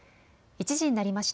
１時になりました。